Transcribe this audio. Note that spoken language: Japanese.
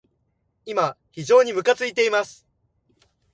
今、非常にむかついています。